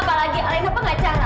apalagi ala ini pengacara